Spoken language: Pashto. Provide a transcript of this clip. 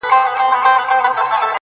کوڅو اخیستي دي ماشوم زخمونه-